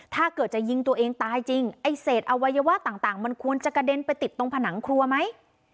ถ้าเกิดจะยิงตัวเองตายจริงไอ้เศษอวัยวะต่างมันควรจะกระเด็นไปติดตรงผนังครัวไหม